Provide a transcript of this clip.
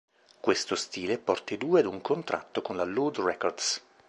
Questo stile porta i due ad un contratto con la Loud Records.